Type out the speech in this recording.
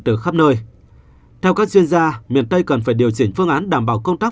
từ khắp nơi theo các chuyên gia miền tây cần phải điều chỉnh phương án đảm bảo công tác